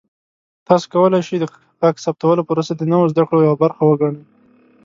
تاسو کولی شئ د غږ ثبتولو پروسه د نوو زده کړو یوه برخه وګڼئ.